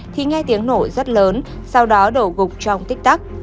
thì nghe tiếng nổ rất lớn sau đó đổ gục trong tích tắc